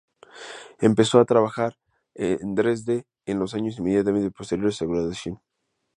Empezó a trabajar en Dresde en los años inmediatamente posteriores a su graduación.